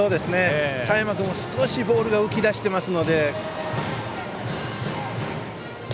佐山君、少しボールが浮き出していますので。